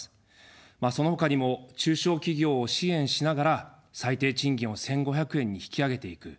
そのほかにも中小企業を支援しながら、最低賃金を１５００円に引き上げていく。